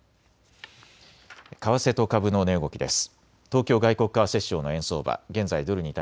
為替と株の値動きです。